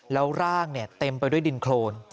แล้วร่างเต็มไปด้วยดินโครน